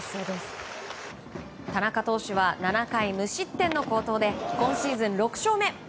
田中投手は７回無失点の好投で今シーズン６勝目。